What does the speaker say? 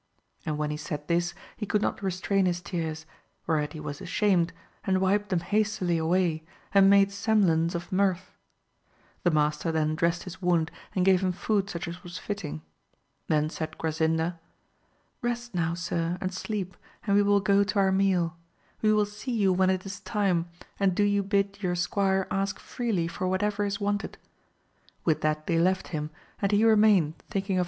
And when he said this he could not restrain his tears, whereat he was ashamed, and wiped them hastily away, and made semblance of mirth. The master then drest his wound and gave AMADIS OF GAUL. 269 him food such as was fitting. Then said Grasinda, Rest now sir, and sleep, and we will go to our meal ; we will see you when it is time, and do you bid your squire ask freely for whatever is wanted ; with that they left him, and he remained thinking of.